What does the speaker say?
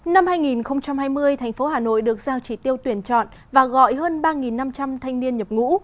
năm hai nghìn hai mươi thành phố hà nội được giao chỉ tiêu tuyển chọn và gọi hơn ba năm trăm linh thanh niên nhập ngũ